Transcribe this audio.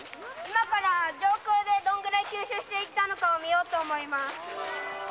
今から上空でどんくらい吸収してきたのかを見ようと思います。